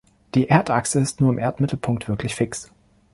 Die Erdachse ist nur im Erdmittelpunkt wirklich fix.